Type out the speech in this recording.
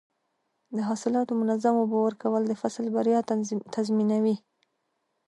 د حاصلاتو منظم اوبه ورکول د فصل بریا تضمینوي.